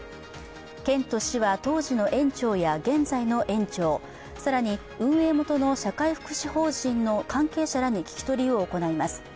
県と市は当時の園長や現在の園長、更に運営元の社会福祉法人の関係者らに聞き取りを行います。